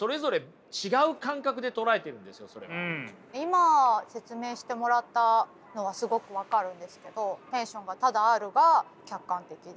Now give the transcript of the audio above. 今説明してもらったのはすごく分かるんですけどテンションがただあるが客観的で。